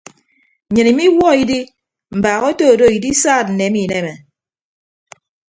Nnyịn imiwuọ idi mbaak otodo idisaad nneme ineme.